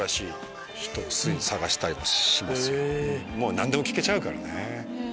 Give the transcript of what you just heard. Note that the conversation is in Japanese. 何でも聴けちゃうからね。